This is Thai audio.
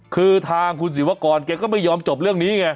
คือทางคุณศิวากรแกก็ไม่ยอมจบเรื่องนี้ไง